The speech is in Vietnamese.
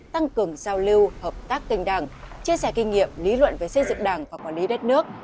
tăng cường giao lưu hợp tác kênh đảng chia sẻ kinh nghiệm lý luận về xây dựng đảng và quản lý đất nước